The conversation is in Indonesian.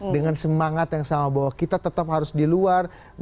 dengan semangat yang sama bahwa kita tetap harus di luar